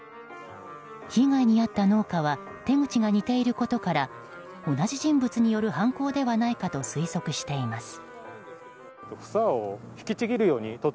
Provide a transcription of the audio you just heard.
被害に遭った農家は手口が似ていることから同じ人物による犯行ではないかと推測しています。